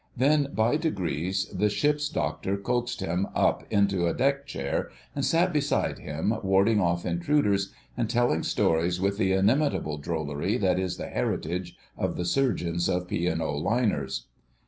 Then, by degrees, the ship's doctor coaxed him up into a deck chair, and sat beside him, warding off intruders and telling stories with the inimitable drollery that is the heritage of the surgeons of P. & O. Liners.